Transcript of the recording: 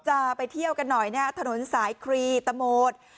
จะไปเที่ยวกันหน่อยนะฮะถนนสายครีตะโหมด